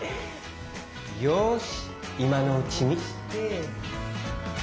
よしいまのうちに。